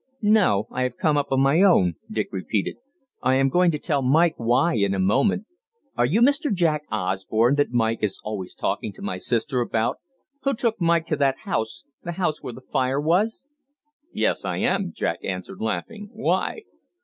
"No, I have come up on my own," Dick repeated. "I am going to tell Mike why, in a moment. Are you Mr. Jack Osborne that Mike is always talking to my sister about, who took Mike to that house the house where the fire was?" "Yes, I am," Jack answered, laughing. "Why?"